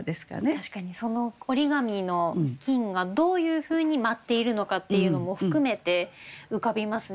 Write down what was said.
確かにその折紙の金がどういうふうに舞っているのかっていうのも含めて浮かびますね。